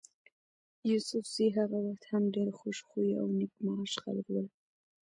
يوسفزي هغه وخت هم ډېر خوش خویه او نېک معاش خلک ول.